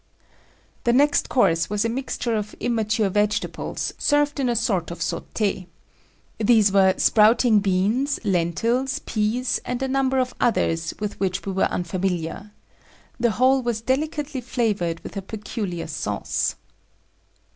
The next course was a mixture of immature vegetables, served in a sort of saute. These were sprouting beans, lentils, peas and a number of others with which we were unfamiliar. The whole was delicately flavored with a peculiar sauce.